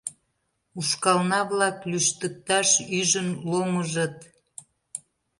Ушкална-влак лӱштыкташ ӱжын ломыжыт.